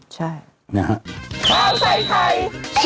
ใช่